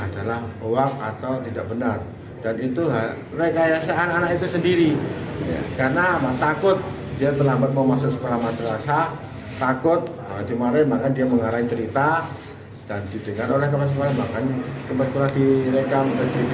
dan didengar oleh kemaskulah bahkan kemaskulah direkam dan dirilakan sama penculikan